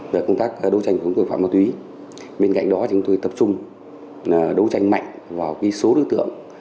về công tác đấu tranh chống tội phạm ma túy bên cạnh đó chúng tôi tập trung đấu tranh mạnh vào số đối tượng